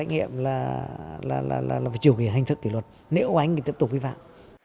nếu có hành thì tiếp tục vi phạm